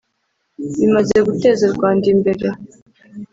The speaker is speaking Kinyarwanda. bimaze guteza u Rwanda imbere